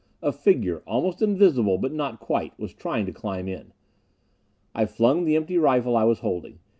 A figure almost invisible, but not quite was trying to climb in! I flung the empty rifle I was holding.